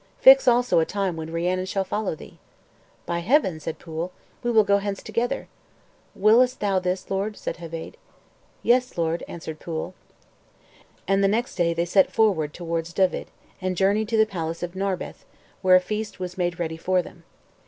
Fix also a time when Rhiannon shall follow thee." "By Heaven," said Pwyll, "we will go hence together." "Willest thou this, lord?" said Heveydd. "Yes, lord," answered Pwyll. And the next, day they set forward towards Dyved, and journeyed to the palace of Narberth, where a feast was made ready for them.